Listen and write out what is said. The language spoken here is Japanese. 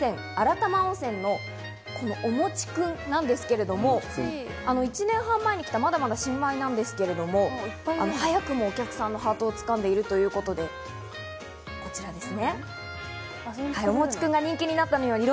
そして、この中で１位に選ばれたというのが別府温泉新玉温泉の、このおもちくんなんですけれども、１年半前に来た、まだまだ新米なんですけれども、早くもお客さんのハートを掴んでいるということで、こちらですね。